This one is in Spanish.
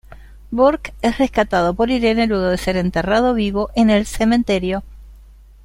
Burke es rescatado por Irene luego de ser enterrado vivo en el cementerio.